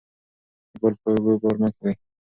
د بل په اوږو بار مه کیږئ.